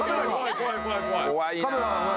怖いなぁ。